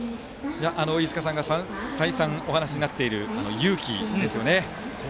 飯塚さんが再三お話になっている勇気ですね。